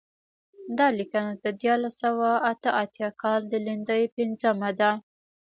دا لیکنه د دیارلس سوه اته اتیا کال د لیندۍ پنځمه ده.